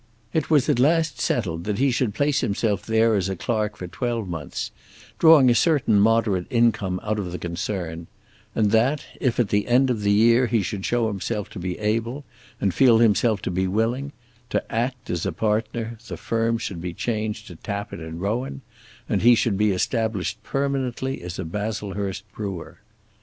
It was at last settled that he should place himself there as a clerk for twelve months, drawing a certain moderate income out of the concern; and that if at the end of the year he should show himself to be able, and feel himself to be willing, to act as a partner, the firm should be changed to Tappitt and Rowan, and he should be established permanently as a Baslehurst brewer.